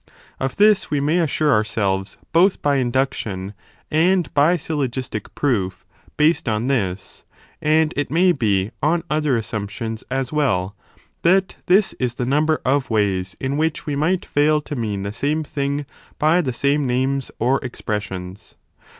Of this we may assure ourselves both by induction, and by syllogistic proof based on this and it may be on other assumptions as well that this is the number of ways in which we might fail to mean the same thing by the same names or expressions.